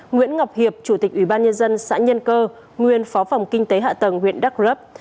nguyễn ngọc hiệp chủ tịch ủy ban nhân dân xã nhân cơ nguyên phó phòng kinh tế hạ tầng huyện đắk rấp